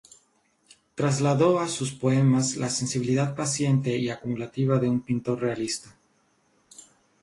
Trasladó a sus poemas la sensibilidad paciente y acumulativa de un pintor realista.